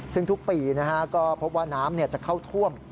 ซึ่งทุกปีก็พบว่าน้ำจะเข้าท่วม